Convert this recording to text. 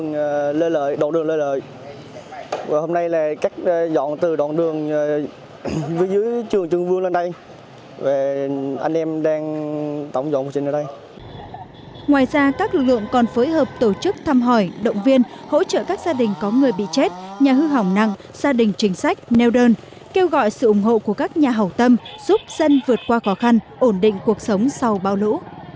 ngoài ra các lực lượng còn phối hợp tổ chức thăm hỏi động viên hỗ trợ các gia đình có người bị chết nhà hư hỏng nặng gia đình chính sách nêu đơn kêu gọi sự ủng hộ của các nhà hậu tâm giúp dân vượt qua khó khăn ổn định cuộc sống sau bão lũ